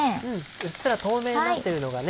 うっすら透明になってるのがね